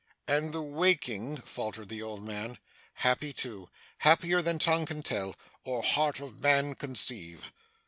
and the waking ' faltered the old man. 'Happy too. Happier than tongue can tell, or heart of man conceive.